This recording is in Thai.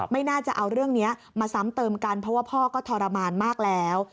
ไม่น่าจะเอาเรื่องนี้มาซ้ำเติมกันเพราะว่าพ่อก็ทรมานมากแล้ว